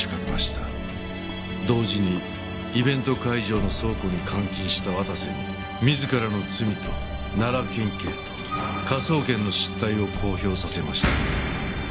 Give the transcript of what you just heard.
同時にイベント会場の倉庫に監禁した綿瀬に自らの罪と奈良県警と科捜研の失態を公表させました。